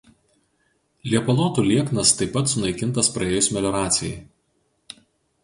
Liepalotų lieknas taip pat sunaikintas praėjus melioracijai.